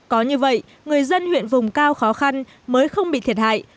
có như vậy người dân huyện vùng cao khó khăn mới không bị thiệt hại